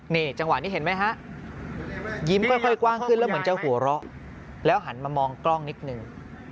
นี่จังหวะนี้เห็นไหมฮะยิ้มค่อยกว้างขึ้นแล้วเหมือนจะหัวเราะแล้วหันมามองกล้องนิดนึง